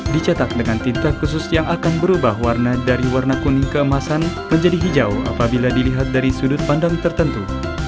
dicetak dengan tinta khusus yang akan berubah warna dari warna kuning keemasan menjadi hijau apabila dilihat dari sudut pandang tertentu